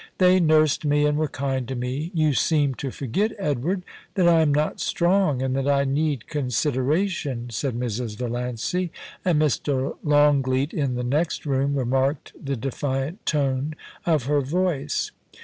They nursed me, and were kind to me. You seem to forget, Edward, that I am not strong, and that I need consideration,' said Mrs. Valiancy; and Mr. Longleat, in the next room, remarked the defiant tone of her voice.